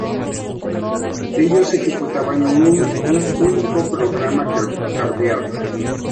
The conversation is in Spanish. Ellos ejecutaban un único programa cableado.